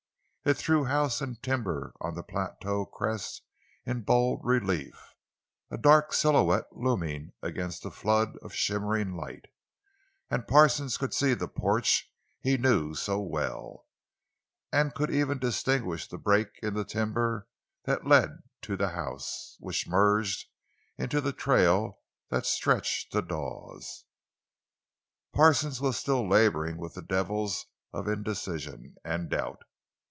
It threw house and timber on the plateau crest in bold relief, a dark silhouette looming against a flood of shimmering light, and Parsons could see the porch he knew so well, and could even distinguish the break in the timber that led to the house, which merged into the trail that stretched to Dawes. Parsons was still laboring with the devils of indecision and doubt.